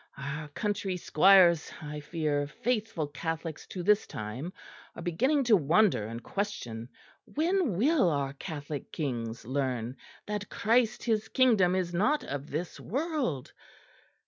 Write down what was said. Our country squires, I fear, faithful Catholics to this time, are beginning to wonder and question. When will our Catholic kings learn that Christ His Kingdom is not of this world?